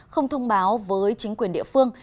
không thông báo với chính quyền địa phương